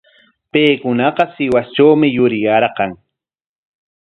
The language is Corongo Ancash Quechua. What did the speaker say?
Paykunaqa Sihuastrawmi yuriyarqan.